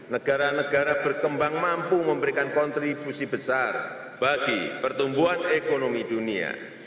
negara negara berkembang mampu memberikan kontribusi besar bagi pertumbuhan ekonomi dunia